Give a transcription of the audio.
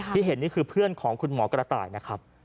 เห็นนี่คือเพื่อนของคุณหมอกระต่ายนะครับ